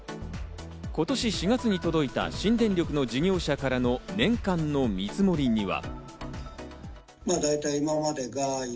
今年４月に届いた、新電力の事業者からの年間の見積もりには。